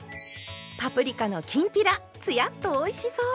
パプリカのきんぴらつやっとおいしそう！